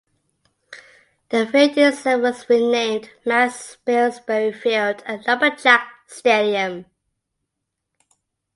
The field itself was renamed Max Spilsbury Field at Lumberjack Stadium.